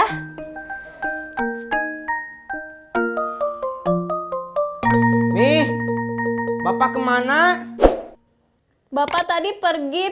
configurasi agar dia dikejar wuih